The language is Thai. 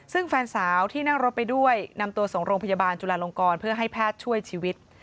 ซึ่งแฟนสาวที่นั่งรถไปด้วยนำตัวส่งโรงพยาบาลจุลาลงกรเพื่อให้แพทย์ช่วยชีวิต